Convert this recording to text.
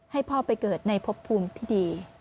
ให้พ่อไปเกิดในพบภูมิที่ดี